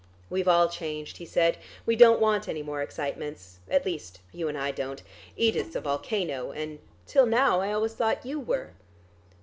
"We've all changed," he said. "We don't want any more excitements. At least you and I don't. Edith's a volcano, and till now, I always thought you were."